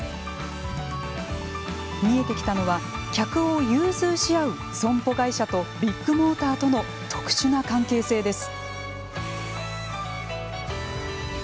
見えてきたのは、客を融通し合う損保会社とビッグモーターとの特殊な関係性です。